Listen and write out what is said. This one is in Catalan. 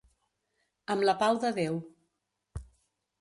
Amb la pau de Déu.